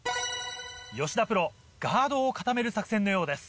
吉田プロガードを固める作戦のようです。